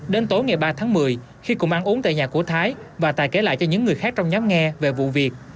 đến tối ngày ba tháng một mươi khi cùng ăn uống tại nhà của thái và tài kể lại cho những người khác trong nhóm nghe về vụ việc